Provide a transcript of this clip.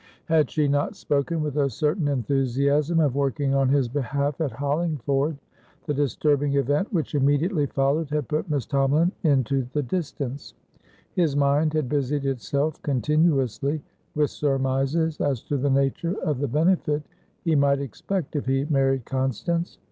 Had she not spoken, with a certain enthusiasm, of working on his behalf at Hollingford? The disturbing event which immediately followed had put Miss Tomalin into the distance; his mind had busied itself continuously with surmises as to the nature of the benefit he might expect if he married Constance.